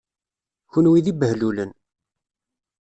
Kenwi d ibehlulen.